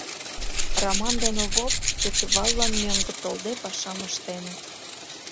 Раман ден Овоп кечываллан мӧҥгӧ толде пашам ыштеныт.